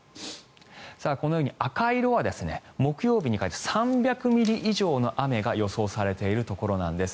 このように赤色は木曜日にかけて３００ミリ以上の雨が予想されているところなんです。